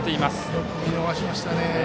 よく見逃しましたね。